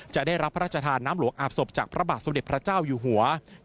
จะได้รับพระราชทานน้ำหลวงอาบศพจากพระบาทสมเด็จพระเจ้าอยู่หัว